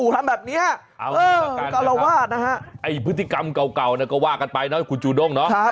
เอ้อกลวาดภีรภัตติกรรมเก่านะคะก็ว่ากันไปคุณจูฎงครับ